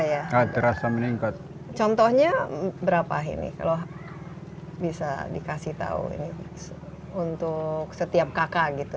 ya agak rasa meningkat contohnya berapa ini kalau bisa dikasih tahu ini untuk setiap kakak gitu